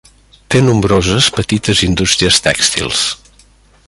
Té nombroses petites indústries tèxtils.